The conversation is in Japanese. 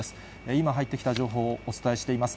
今入ってきた情報をお伝えしています。